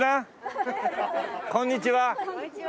こんにちは。